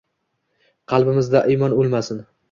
Qalbimizda iymon ulmasin